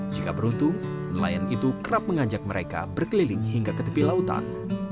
jika beruntung nelayan itu kerap mengajak mereka berkeliling hingga ke tepi lautan